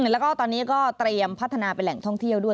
แล้วก็ตอนนี้ก็เตรียมพัฒนาเป็นแหล่งท่องเที่ยวด้วย